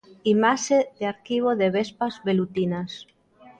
Imaxe de arquivo de vespas velutinas.